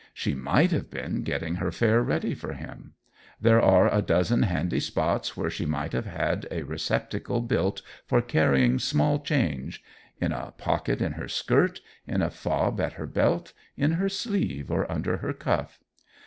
She might have been getting her fare ready for him. There are a dozen handy spots where she might have had a receptacle built for carrying small change in a pocket in her skirt, in a fob at her belt, in her sleeve or under her cuff.